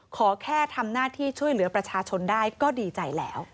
ขอแค่ทำหน้าที่ช่วยเหลือประชาชนได้ก็ดีใจแล้ว